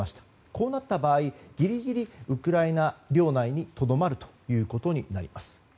こうなった場合、ぎりぎりウクライナ領内にとどまるということになります。